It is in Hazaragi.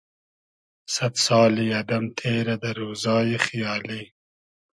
سئد سالی ادئم تېرۂ دۂ رۉزای خیالی